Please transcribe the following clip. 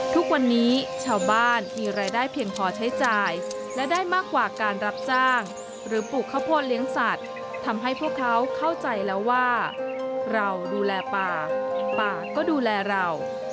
ทุกวันนี้ชาวบ้านมีรายได้เพียงพอใช้จ่ายและได้มากกว่าการรับจ้างหรือปลูกข้าวโพดเลี้ยงสัตว์ทำให้พวกเขาเข้าใจแล้วว่าเราดูแลป่าป่าก็ดูแลเรา